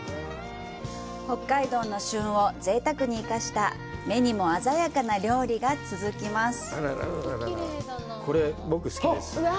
北海道の旬をぜいたくに生かした目にも鮮やかな料理が続きます。